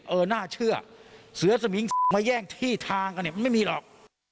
เออน่าเชื่อเสือสมิงมาแย่งที่ทางกันเนี่ยมันไม่มีหรอก